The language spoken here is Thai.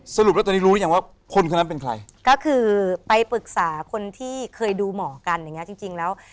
สรุปแล้วตอนนี้รู้ยังว่าคนคนนั้นเป็นใครก็คือไปปรึกษาคนที่เคยดูหมอกันอย่างเงี้จริงจริงแล้ว